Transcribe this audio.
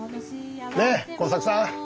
ねっ耕作さん！